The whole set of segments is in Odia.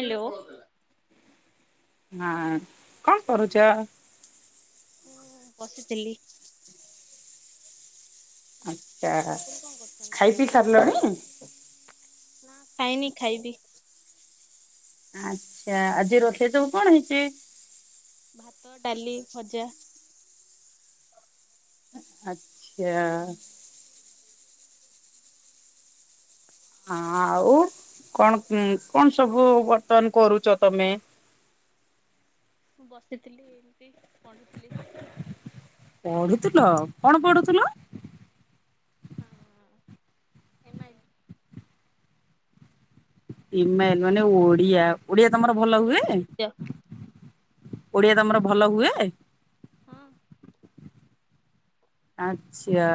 ହ୍ୟାଲୋ। ନାଁ କଣ କରୁଛ? ହୁଁ ବସିଥିଲି। ଆଛା ଆପଣ କଣ କରୁଛନ୍ତି? ଖାଇ ପିଇ ସାରିଲଣି? ନା ଖାଇନି ଖାଇବି। ଆଚ୍ଛା ଆଜି ରୋଷେଇ ସବୁ କଣ ହେଇଛି? ଭାତ ଡାଲି ଭଜା। ଆଚ୍ଛା। ହ ଆଉ କଣ କଣ ସବୁ ବର୍ତ୍ତନ କରୁଛ ତମେ? [inaudible] ମୁଁ ବସିଥିଲି ଏମତି ପଢୁଥିଲି। ପଢୁଥୁଲ କଣ ପଢୁଥୁଲ? ହଁ M I L. M al L ମାନେ ଓଡିଆ ଓଡିଆ ତମର ଭଲ ଓଡ଼ିଆ ହୁଏ? ସାହିତ୍ୟ ଓଡିଆ ତମର ଭଲ ହୁଏ? ହଁ। ଆଚ୍ଛା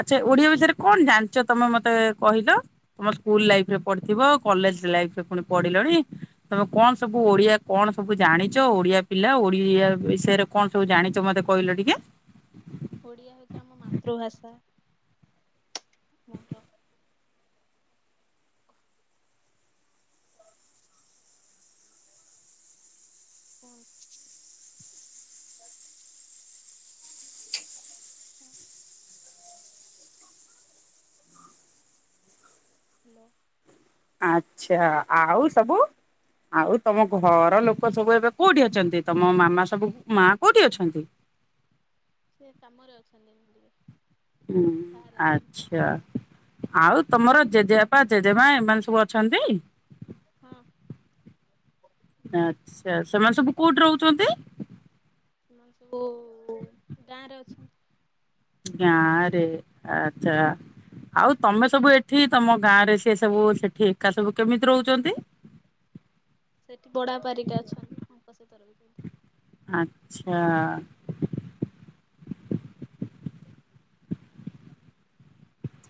ଆଚ୍ଛା ଓଡିଆ ବିଷୟରେ କଣ ଜାଣିଛ ତମେ ମତେ କହିଲ ମ ସ୍କୁଲ ଲାଇଫ୍ ରେ ପଢିଥିବ କଲେଜ ଲାଇଫ୍ ପୁଣି ପଢିଲଣି ତମେ କଣ ସବୁ ଓଡିଆ କଣ ସବୁ ଜା ଜାଣିଛ ଓଡିଆ ପିଲା ଓଡିଆ ବିଷୟରେ କଣ ସବୁ ଜାଣିଛ ମତେ କହିଲ ଟିକେ? ଓଡିଆ ହଉଛି ଆମ ମାତୃଭାଷା ମର [unintelligible] ହାଲୋ। ଆଚ୍ଛା ଆଉ ସବୁ ଆଉ ତମ ଘର ଲୋକ ସବୁ ଏବେ କୋଉଠି ଅଛନ୍ତି ତମ ମାମା ସବୁ ମା କୋଉଠି ଅଛନ୍ତି? ସେ କାମରେ ଅଛନ୍ତି [unintelligible] ଟିକେ। ହୁଁ ବାହାରେ ଅଛନ୍ତି। ଆଚ୍ଛା ଆଉ ତମର ଜେଜେବାପା ଜେଜେମା ଏମାନେ ସବୁ ଅଛନ୍ତି? ହଁ ଆ ସ ସେମାନେ ସବୁ କୋଉଠି ରହୁଛନ୍ତି? ସବୁ। [inaudible] ନାରେ ଆଛା। ଆଉ ତମେ ସବୁ ଏଠି ତମ ଗାଁ ରେ ସି ସବୁ ସେଠି ଏକା ସବୁ କେମିତି ରହୁଛନ୍ତି? [inaudible] ସେଠି ବଡାପାରିକେ ଅଛନ୍ତି ତାଙ୍କସହିତ ରହିଛନ୍ତି। ଆଚ୍ଛା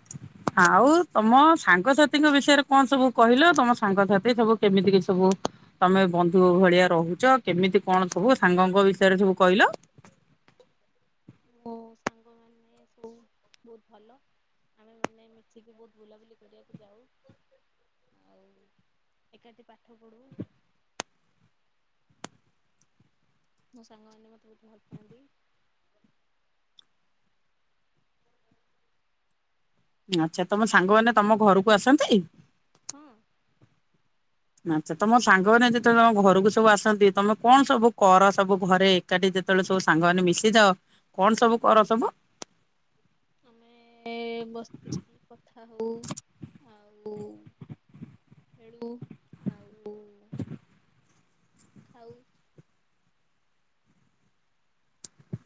[inaudible] ଆଉ ତମ ସାଙ୍ଗସାଥିଙ୍କ ବିଷୟରେ କଣ ସବୁ କହିଲ, ତମ ସାଙ୍ଗସାଥି ସବୁ କେମିତି କି ସବୁ ତମେ ବନ୍ଧୁ ଭଳିଆ ରହୁଛ, କେମିତି କଣ ସବୁ ସାଙ୍ଗଙ୍କ ବିଷୟରେ ସବୁ କହିଲ? [inaudible] ମୋ ସାଙ୍ଗ ମାନ ସବୁ ବହୁତ ଭଲ। ଆମେ ମାନେ ମିଶିକି ବହୁତ ବୁଲାବୁଲି କରିବାକୁ ଯାଉ। ଆଉ ଏକାଠି ପାଠ ପଢ଼ୁ। [inaudible] ମୋ ସାଙ୍ଗ ମାନ ମତେ ବହୁତେ ଭଲ ପାଆନ୍ତି। ଆଚ୍ଛା ତମ ସାଙ୍ଗମାନେ ତମ ଘରକୁ ଆସନ୍ତି? ହୁଁ। ଆଛା, ତମ ସାଙ୍ଗମାନେ ଯେତବେଳେ ତମ ଘରକୁ ସବୁ ଆସନ୍ତି, ତମେ କଣ ସବୁ କର, ସବୁ ଘରେ ଏକାଠି ଯେତେବେଳେ ସବୁ ସାଙ୍ଗମାନେ ମିଶିଯାଅ, କଣ ସବୁ କର, ସବୁ ଆମେ ବସିକି ହେ ଆଉ ଖାଉ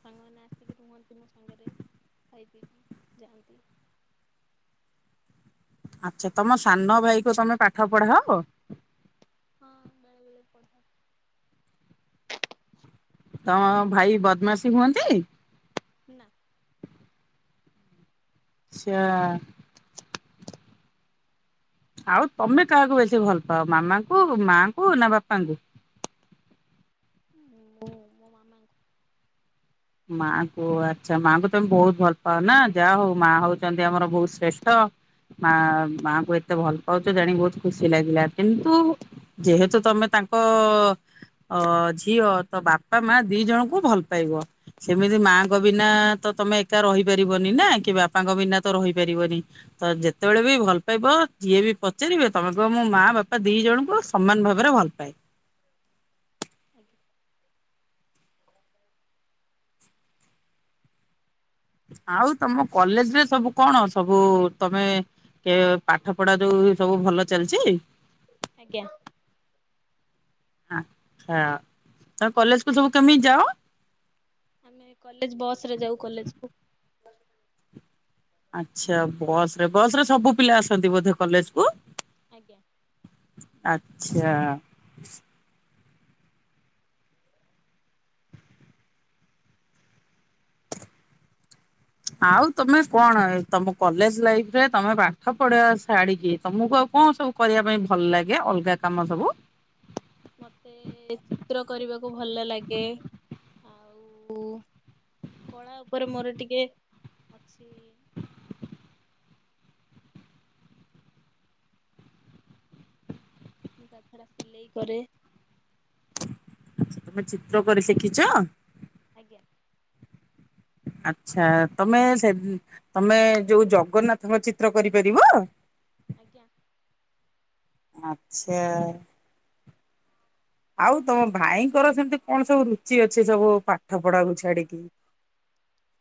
ସାଙ୍ଗମାନେ ଆସିକି ରୁହନ୍ତି ମୋ ସାଙ୍ଗରେ ଖାଇ ପିଇକି ଯାଆନ୍ତି। । ଆଚ୍ଛା ତମ ସାନ ଭାଇ ଙ୍କୁ ତମେ ପାଠ ପଢାଅ ହଁ ବେଳେବେଳେ ପଢ଼ା ତମ ଭାଇ ବଦ୍ମାସି ହୁଅନ୍ତି। ନା ସେୟା ଆଉ ତମେ କାହାକୁ ବେଶୀ ଭଲ ପାଅ ମାମାଙ୍କୁ ମାଙ୍କୁ ନା ବାପାଙ୍କୁ। ହଁ ମୁଁ ମୋ ମାମା ଙ୍କୁ ମା ଙ୍କୁ ଆଚ୍ଛା ମା ଙ୍କୁ ତମେ ବହୁତ ଭଲ ପାଅ ନା ଯାହା ହଉ ମା ହଉଛନ୍ତି ଆମର ବହୁତ ଶ୍ରେଷ୍ଠ ମା ମା ଙ୍କୁ ଏତେ ଭଲ ପାଉଛ ଜାଣିି ବହୁତ ଖୁସି ଲାଗିଲା କିନ୍ତୁ ଯେହେତୁ ତମେ ତା ତାଙ୍କ ଅ ଝିଅ ତ ବାପା ମା ଦି ଜଣଙ୍କୁ ଭଲ ପାଇବ ସେମିତି ମାଙ୍କ ବିନା ତ ତମେ ଏକା ରହିପାରିବନି ନା କି ବାପାଙ୍କ ବିନା ତ ରହିପାରିବନି। ତ ଯେତେବେଳେ ବି ଭଲ ପାଇବ ଯିଏ ବି ପଚାରିବ ତମେ କହିବ ମୁଁ ମା ବାପା ଦି ଜଣଙ୍କୁ ସମାନ ଭାବରେ ଭଲ ଭଲ ପାଏ। ଆଜ୍ଞା ଆଉ ତମ କଲେଜ ରେ ସବୁ କଣ ସବୁ ତମେ କେ ପାଠ ପଢା ଯୋଉ ସବୁ ଭଲ ଚାଲିଛି ଆଜ୍ଞା। ହ ତମେ କଲେଜକୁୁ ସବୁ କେମିତି ଯାଅ। ଆମେ କଲେଜ ବସ ରେ ଯାଉ କଲେଜ କୁ ଆଚ୍ଛା ବସ ରେ ବସ ରେ ସବୁ ପିଲା ଆସନ୍ତି ବୋଧେ କଲେଜ କୁ ଆଜ୍ଞା। ଆଚ୍ଛା। ଆଉ ତମେ କଣ ତମ କଲେଜ ଲାଇଫ ରେ ତମେ ପାଠ ପଢା ଛାଡିକି ତମକୁ ଆଉ। କଣ ସବୁ କରିବା ପାଇଁ ଭଲ ଲାଗେ ଅଲଗା କାମ ସବୁ ମତେ ଚିତ୍ର କରିବାକୁ ଭଲ ଲାଗେ ଆଉ କଳା ଉପରେ ମୋର ଟିକେ ଅଛି। ତା ଛଡା ସିଲେଇ କରେ। ତମେ ଚିତ୍ର କରି ଶିଖିଛ? ଆଜ୍ଞା। ଆଚ୍ଛା ତମେ ସେ ତମେ ଯୋଉ ଜଗନ୍ନାଥଙ୍କ ଚିତ୍ର କରିପାରିବ? [inaudible] ଆଚ୍ଛା। ଆଉ ତମ ଭାଇଙ୍କର ସେମତି କଣ ସବୁ ରୁଚି ଅଛି ସବୁ ପାଠ ପଢାକୁ ଛାଡିକି। [inaudible]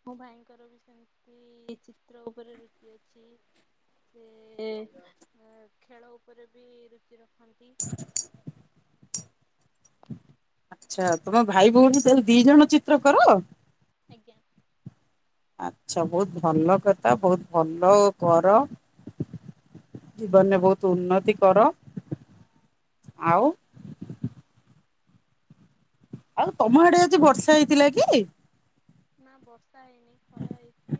ମୋ ଭାଇଙ୍କର ବି ସେମିତି ଚିତ୍ର ଉପରେ ରୁଚି ଅଛି। ହେ ଖେଳ ଉପରେ ବି ରୁଚି ରଖ। ନ୍ତି। ଆଚ୍ଛା ତମ ଭାଇ ଭଉଣୀ ତାହେଲେ ଦି ଜଣ ଚିତ୍ର କର। ଆଜ୍ଞା। ଆଛା ବହୁତ ଭଲ କଥା ବହୁତ ଭଲ କର। ଜୀବନରେ ବହୁତ ଉନ୍ନତି କର। ଆଉ। ଆଉ ତମ ଆଡେ ଆଜି ବର୍ଷା ହେଇଥିଲା କି? ନା ବର୍ଷା ହେଇନି ଖରା ହେଇଛି।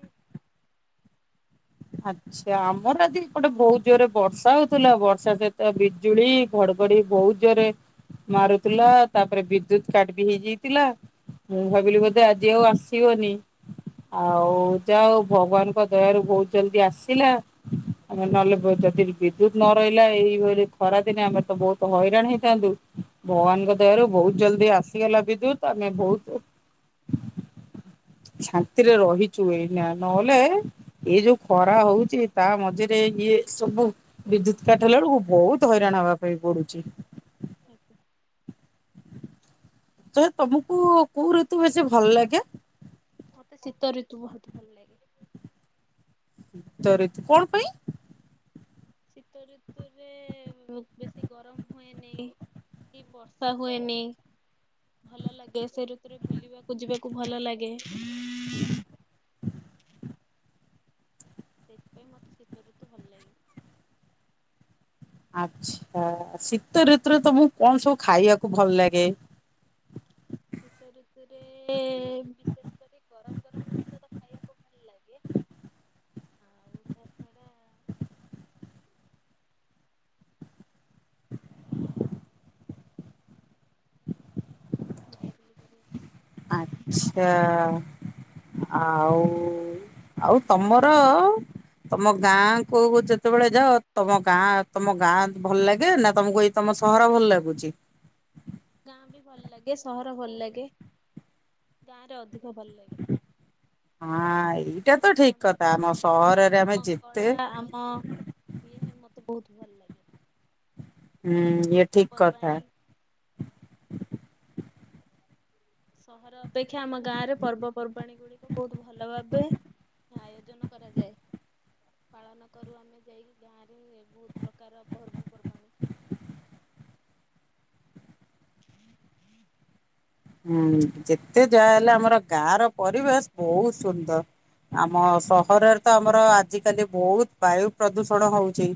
ଆଚ୍ଛା ଆମର ଆଜି ଏପଟେ ବହୁତ ଜୋରରେ ବର୍ଷା ହଉଥିଲା ବର୍ଷା ସହିତ ବିଜୁଳି। ଘଡଗଡି ବହୁତ ଜୋରେ ମାରୁଥିଲା ତାପରେ ବିଦ୍ୟୁତ କାଟ ବି ହେଇଯାଇଥିଲା। ମୁଁ ଭାବିଲି ବୋଧେ ଆଜି ଆଉ ଆସିବନି। ଆଉ ଯା ହୋଉ ଭଗବାନଙ୍କ ଦୟାରୁ ବହୁତ ଜଲଦି ଆସିଲା। ଆମେ ନହେଲେ ଯଦି ବିଦ୍ୟୁତ ନ ରହିଲା ଏଇଭଳି ଖରାଦିନେ ଆମେ ତ ବହୁତ ହଇରାଣ ହେଇଥାନ୍ତୁ। ଭଗବାନଙ୍କ ଦୟାରୁ ବହୁତ ଜଲଦି ଆସିଗଲା ବିଦ୍ୟୁତ ଆମେ ବହୁତ- ଶାନ୍ତିରେ ରହିଛୁ ଏଇନା ନହେଲେ ଏଇ ଯୋଉ ଖରା ହଉଛି ତା ମଝିରେ। ଇଏ ସବୁ ବିଦ୍ୟୁତ କାଟ୍ ହେଲା ହେଲାଳୁକୁ ବହୁତ ହଇରାଣ ହବା ପାଇଁ ପଡୁ଼ଚି। ଆଜ୍ଞା। ତ ତମକୁ କୋଉ ଋତୁ ବେଶୀ ଭଲ ଲାଗେ? ଶୀତ ଋତୁ ବହୁତ ଭଲ ଲାଗେ। ଶୀତ ଋତୁ କଣ ପାଇଁ? ଶୀତ ଋତୁରେ ବୋ ବେଶୀ ଗରମ ହୁଏନି କି ବର୍ଷା ହୁଏନି। ଭଲ ଲାଗେ ସେ ଋତୁରେ ବୁଲିବାକୁ ଯିବାକୁ ଭଲ ଲାଗେ। ସେଥିପାଇଁ ମୋତେ ଶୀତଋତୁ ଭଲ ଲାଗେ। ଆଚ୍ଛା ଶୀତ ଋତୁରେ ତମକୁ କଣ ସବୁ ଖାଇବାକୁ ଭଲ ଲାଗେ? ଶୀତ ଋତୁରେ ବିଶେଷ କରି ଗରମ ଗରମ ଜିନିଷ ତ ଖାଇବାକୁ ଭଲ୍ ଲାଗେ। ଆଉ ତ ଛାଡ଼ ବୁଲା ବୁଲି କରିଆକୁ। ଆଚ୍ଛା। ଆଉ ଆଉ ତମର ତମ ଗାଁ କୁ ଯେତେବେଳେ ଯାଅ ତମ ଗାଁ ତମ ଗାଁ ଭଲ ଲାଗେ ନା ତମକୁ ଏଇ କି ତମ ସହର ଭଲ ଲାଗୁଚି? ଗାଁ ବି ଭଲ ଲାଗେ ସହର ଭଲ ଲାଗେ ଗାଁ ରେ ଅଧିକ। ହଁ ଭଲ ଲାଗେ। ହଁ ଏଇଟା ତ ଗାଁରେ ଠିକ ଆମ କଥା ସଂସ୍କୃତି ସହରରେ ଆମେ ଆମ ଯେତେ କଳା ଆମ ଇଏ ହେ ମ ବ - ବହୁତ୍ ଭଲ ଲାଗେ। ହୁଁ ଆମ ଇଏ ଠିକ୍ କଥା। ପର୍ବପର୍ବାଣୀ ସହର ଅପେକ୍ଷା ଆମ ଗାଁରେ ପର୍ବପର୍ବାଣୀ ଗୁଡି଼କ ବହୁତ ଭଲ ଭାବେ- ଆୟୋଜନ କରାଯାଏ। ପାଳନ କରୁ ଆମେ ଯାଇକି ଗାଁରେ ବହୁତ ପ୍ରକାର ପର୍ବପର୍ବାଣି। [inaudible] [inaudible] ହୁଁ ଯେତେ ଯାହା ହେଲା ଆମର ଗାଁ ର ପରିବେଶ ବହୁତ ସୁନ୍ଦର। ଆମ ସହରରେ ତ ଆମର ଆଜିକାଲି ବହୁତ ବାୟୁ ପ୍ରଦୂଷଣ ହଉଛି।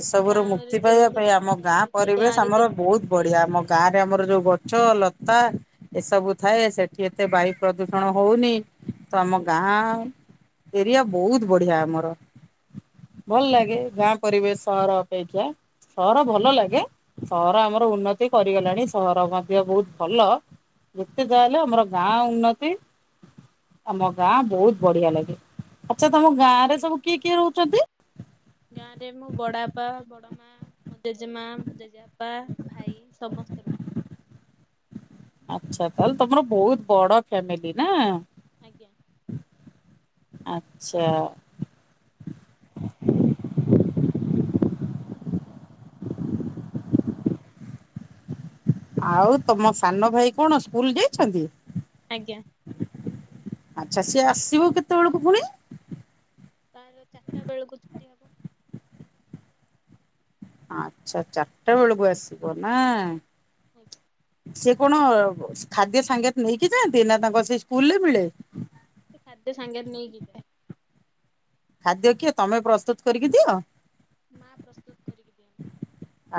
ଏସବୁ ରୁ ଗାଁରେ ମୁକ୍ତି ପାଇବା ଯେମିତି ପାଇଁ ଆମ ଚାଷ ଗାଁ ହେଉଛି ପରିବେଶ ଗାଁରେ ଆମର ଯେମିତି ବହୁତ ନଦୀ ବଢି଼ଆ ଆମ ଅଛି ଗାଁ ରେ ଆମର ଯୋଉ ଗଛ ଲ ତା। ଏସବୁ ଥାଏ ସେଠି ଏତେ ବାୟୁ ପ୍ରଦୂଷଣ ହଉନି ତ ଆମ ଗାଁ ଏରିଆ ବହୁତ ବଢି଼ଆ ଆମର ଭଲ୍ ଆଜ୍ଞା ଲାଗେ ଗାଁ। ପରିବେଶ ସହର ଅପେକ୍ଷା ସହର ଭଲ ଲାଗେ ସହର ଆମର ଉନ୍ନତି କରିଗଲାଣି ସହର ମଧ୍ୟ ବହୁତ ଭଲ। ଯେତେ ଯହା ହେଲେ ଆମର ଗାଁ ଉନ୍ନତି ଆମ ଗାଁ ବହୁତ ବଢି଼ଆ ଲାଗେ। ଆଚ୍ଛା ତମ ଆଜ୍ଞା ଗାଁ ରେ ସବୁ କିଏ କିଏ ରହୁଛନ୍ତି। ଗାଁ ରେ ମୋ ବଡ଼ ବାପା, ବଡ଼ ମା ମ ଜେଜେମା, ଜେଜେବାପା, ଭାଇ ସମସ୍ତେ ରହୁଛନ୍ତି। ଆଚ୍ଛା ତାହେଲେ ତମର ବହୁତ ବଡ଼ ଫ୍ୟାମିଲି ନା। ଆଜ୍ଞା। ଆଚ୍ଛା। ଆଉ ତମ ସାନଭାଇ କଣ ସ୍କୁଲ ଯାଉଛନ୍ତି? ଆଜ୍ଞା ଆଚ୍ଛା ସିଏ ଆସିବ କେତେବେଳକୁ ପୁଣି? ତାର ଚାରିଟା ବେଳକୁ ଛୁଟି ହବ ଆଚ୍ଛା ଚାରିଟା ବେଳକୁ ଆସିବ ନାଁ। ଆଜ୍ଞା। ଆପଣ ଉ ଖାଦ୍ୟ ସାଙ୍ଗେରେ ନେଇକି ଯାଆନ୍ତି ନା ତାଙ୍କ ସେଇ ସ୍କୁଲରେ ମିଳେ? ଖାଦ୍ୟ ସାଙ୍ଗରେ ନେଇକିଯାଏ। ଖାଦ୍ୟ କିଏ ତମେ ପ୍ରସ୍ତୁତ କରିକି ଦିଅ? ମା ପ୍ରସ୍ତୁତ କରିିକି ଦିଅନ୍ତି।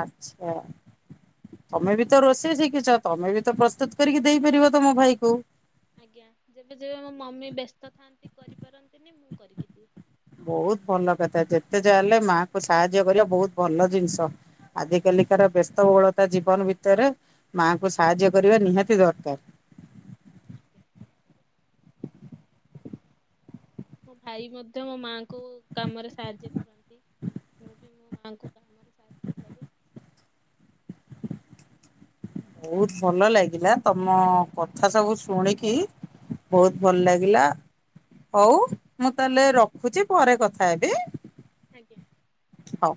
ଆଚ୍ଛା ତମେ ବି ତ ରୋଷେଇ ଶିଖିଛ ତମେ ବି ତ ପ୍ରସ୍ତୁତ କରିକି ଦେଇପାରିବ ତମ ଭାଇ କୁ? ଆଜ୍ଞା ଯେବେ ଯେବେ ମୋ ମମି ବ୍ୟସ୍ତ ଥାନ୍ତି କରିପାରନ୍ତିନି ମୁଁ କରିକି ଦିଏ। ବହୁତ ଭଲ କଥା ଯେତେ ଯା ହେଲେ ମାଆଙ୍କୁ ସାହାଯ୍ୟ କରିବା ବହୁତ ଭଲ ଜିନିଷ। ଆଜି କାଲିକାର ବ୍ୟସ୍ତ ବହୁଳତା ଜୀବନ ଭିତରେ ମାଙ୍କୁ ସାହାଯ୍ୟ କରିବା ନିହାତି ଦରକାର। ଆଜ୍ଞା ମୋ ଭାଇ ମଧ୍ୟ ମୋ ମାଙ୍କୁ କାମରେ ସାହାଯ୍ୟ କରନ୍ତି। ତାଙ୍କୁ କାମରେ ସାହାଯ୍ୟ କରେ। ବହୁତ ଭଲ ଲାଗିଲା ତମ କଥା ସବୁ ଶୁଣିକି ବହୁତ ଭଲ ଲାଗିଲା। ହଉ ମୁଁ ତାହେଲେ ରଖୁଛି ପରେ କଥା ହେବି। ଆଜ୍ଞା ହଉ।